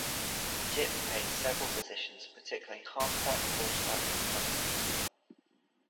Gipp played several positions, particularly halfback, quarterback, and punter.